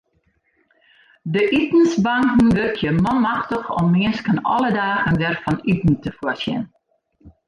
De itensbanken wurkje manmachtich om minsken alle dagen wer fan iten te foarsjen.